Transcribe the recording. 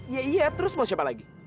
ya iya terus mau siapa lagi